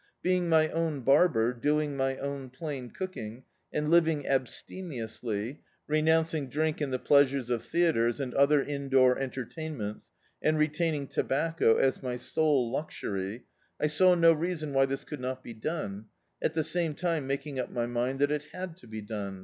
Being my own bar ber, doing my own plain cooking, and living ab stemiously, renouncing drink and the pleasures of theatres, and other indoor entertainments, and re taining tobacco as my sole luxury — I saw no reason why this could not be done, at the same time making up my mind that it had to be done.